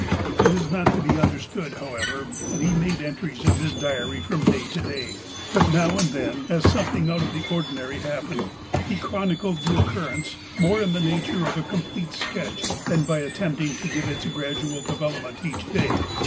It is not to be understood, however, that he made entries in his diary from day to day. But, now and then, as something out of the ordinary happened, he chronicled the occurrence, more in the nature of a complete sketch, than by attempting to give its gradual develox)ment each day.